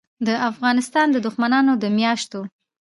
دافغانستان دښمنانودمیاشتو